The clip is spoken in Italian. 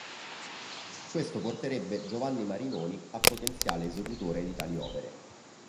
Questo porterebbe Giovanni Marinoni, a potenziale esecutore di tali opere.